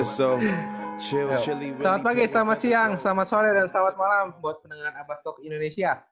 selamat pagi selamat siang selamat sore dan selamat malam buat pendengaran abastok indonesia